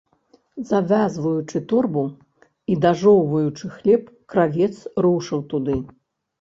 Завязваючы торбу і дажоўваючы хлеб, кравец рушыў туды.